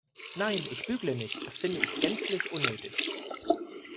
Nein, ich bügle nicht, das finde ich gänzlich unnötig.